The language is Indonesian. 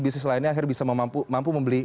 bisnis lainnya akhirnya bisa mampu membeli